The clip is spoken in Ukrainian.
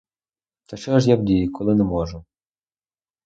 Та що ж я вдію, коли не можу.